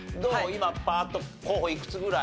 今パーッと候補いくつぐらい？